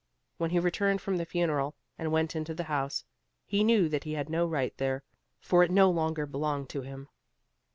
When he returned from the funeral, and went into the house, he knew that he had no right there, for it no longer belonged to him.